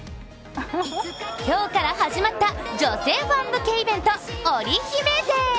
今日から始まった女性ファン向けイベントオリ姫デー。